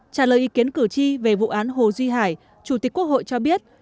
trả lời ý kiến cử tri về vụ án hồ duy hải chủ tịch quốc hội cho biết